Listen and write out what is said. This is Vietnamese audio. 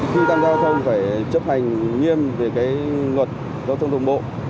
khi tham gia giao thông phải chấp hành nghiêm về luật giao thông đồng bộ